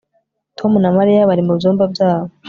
Tom na Mariya bari mu byumba byabo